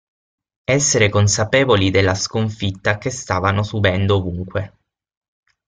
Essere consapevoli della sconfitta che stavano subendo ovunque.